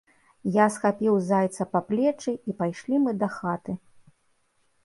Я схапіў зайца па плечы, і пайшлі мы да хаты.